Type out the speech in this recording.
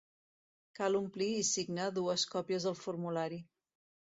Cal omplir i signar dues còpies del formulari.